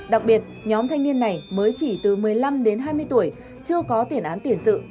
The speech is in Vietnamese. đặc biệt nhóm thanh niên này mới chỉ từ một mươi năm đến hai mươi tuổi chưa có tiền án tiền sự